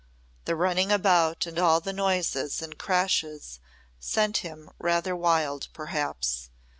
The running about and all the noises and crashes sent him rather wild perhaps.